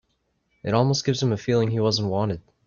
It almost gives him a feeling he wasn't wanted.